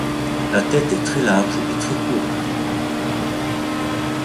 La tête est très large et très courte.